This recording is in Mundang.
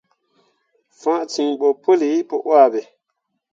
Fãa ciŋ ɓo puli pu wahbe.